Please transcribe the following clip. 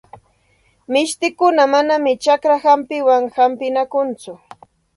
Mishtikuna manam chakra hampiwan hampinakunchu.